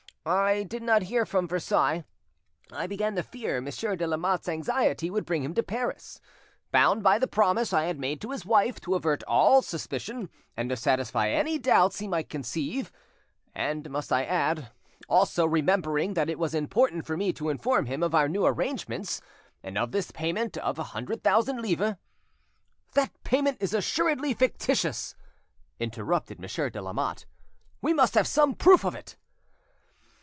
I did not hear from Versailles: I began to fear Monsieur de Lamotte's anxiety would bring him to Paris. Bound by the promise I had made to his wife to avert all suspicion and to satisfy any doubts he might conceive, and, must I add, also remembering that it was important for me to inform him of our new arrangements, and of this payment of a hundred thousand livres." "That payment is assuredly fictitious," interrupted Monsieur de Lamotte; "we must have some proof of it."